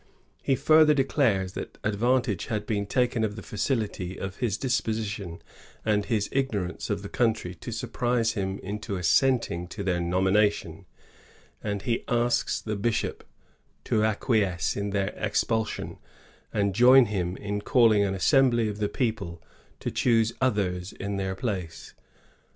"^ He further declares that advantage had been taken of the facility of his disposition and his ignorance of the country to surprise him into assenting to their nomi^ nation; and he asks the bishop to acquiesce in their expulsion, and join him in calling an assembly of the people to choose others in their place.